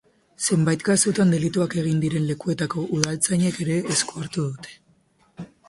Zenbait kasutan, delituak egin diren lekuetako udaltzainek ere esku hartu dute.